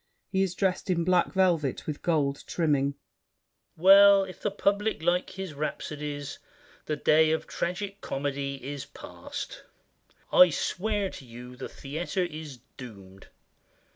He is dressed in black velvet with gold trimming. VILLAC. Well, if the public like his rhapsodies The day of tragic comedy is past. I swear to you the theater is doomed.